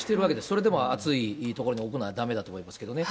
それでも熱い所に置くのはだめだと思いますけどね。